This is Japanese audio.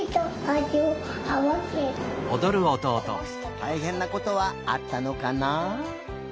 たいへんなことはあったのかな？